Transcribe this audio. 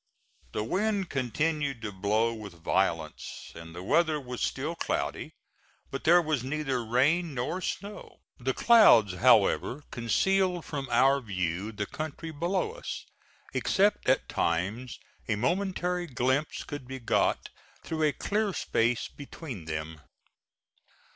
The wind continued to blow with violence and the weather was still cloudy, but there was neither rain nor snow. The clouds, however, concealed from our view the country below us, except at times a momentary glimpse could be got through a clear space between them.